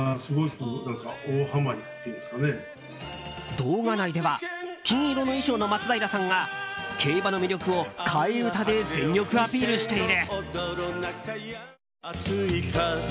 動画内では金色の衣装の松平さんが競馬の魅力を替え歌で全力アピールしている。